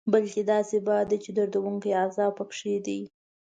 بلکې داسې باد دی چې دردوونکی عذاب پکې دی.